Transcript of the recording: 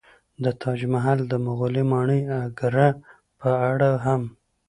د تاج محل او مغولي ماڼۍ اګره په اړه هم